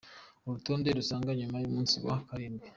Urutonde rusange nyuma y’umunsi wa karindwi .